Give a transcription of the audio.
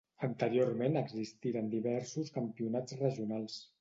Anteriorment existiren diversos campionats regionals.